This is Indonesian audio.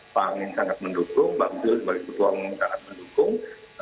pak amin sangat mendukung bang zul sebagai ketua umum sangat mendukung